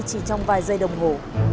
chỉ trong vài giây đồng hồ